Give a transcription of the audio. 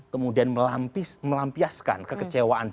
kemudian melampiaskan kekecewaan